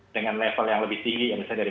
dengan level yang lebih tinggi misalnya dari